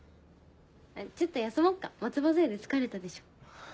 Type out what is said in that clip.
ちょっと休もっか松葉杖で疲れたでしょ？